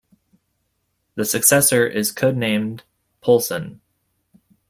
The successor is code-named "Poulson".